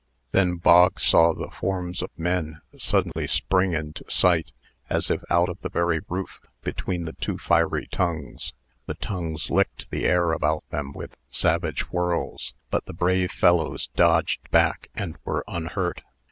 Then Bog saw the forms of men suddenly spring into sight, as if out of the very roof, between the two fiery tongues. The tongues licked the air about them with savage whirls; but the brave fellows dodged back, and were unhurt.